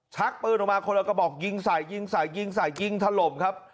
ชักปืนออกมาคนละกระบอกยิงใส่ยิงใส่ยิงใส่ยิงถล่มครับ